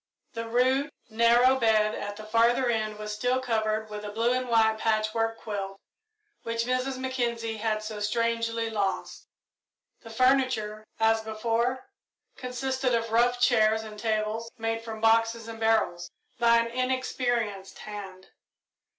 The rude, narrow bed at the farther end was still covered with the blue and white patchwork quilt which Mrs. Mackenzie had so strangely lost. The furniture, as before, consisted of rough chairs and tables made from boxes and barrels by an inexperienced hand.